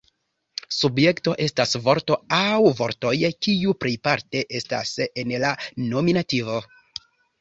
Subjekto estas vorto aŭ vortoj kiu plejparte estas en la nominativo.